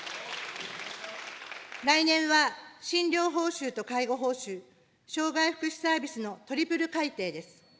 来年は診療報酬と介護報酬、障害福祉サービスのトリプル改定です。